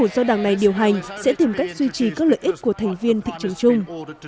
do đảng này điều hành sẽ tìm cách duy trì các lợi ích của thành viên thị trường chung